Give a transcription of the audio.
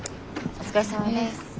お疲れさまです。